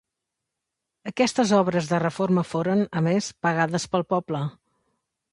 Aquestes obres de reforma foren, a més, pagades pel poble.